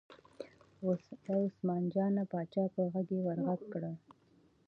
وه عثمان جان پاچا په غږ یې ور غږ کړل.